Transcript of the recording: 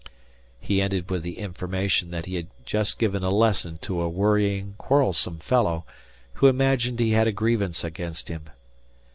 He ended with the information that he had just given a lesson to a worrying, quarrelsome fellow, who imagined he had a grievance against him.